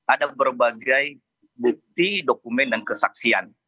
ada berbagai bukti dokumen dan kesaksian